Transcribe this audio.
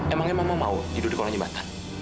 emangnya mama mau tidur di kolam jembatan